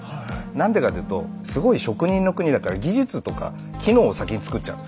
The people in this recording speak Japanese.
何でかというとすごい職人の国だから技術とか機能を先に作っちゃう。